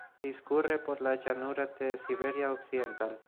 Discurre por la Llanura de Siberia Occidental.